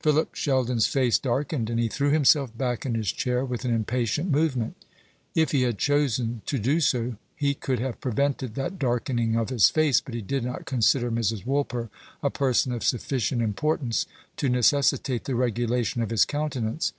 Philip Sheldon's face darkened, and he threw himself back in his chair with an impatient movement. If he had chosen to do so, he could have prevented that darkening of his face; but he did not consider Mrs. Woolper a person of sufficient importance to necessitate the regulation of his countenance.